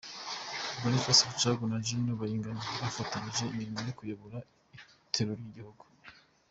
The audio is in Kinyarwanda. Boniface Rucagu na Gen. Bayingana bafatanyije imirimo yo kuyobora itorero ry’igihugu.